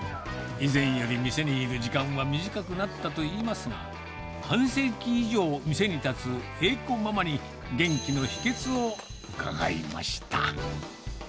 以前よりも店にいる時間は短くなったといいますが、半世紀以上、店に立つ栄子ママに元気の秘けつを伺いました。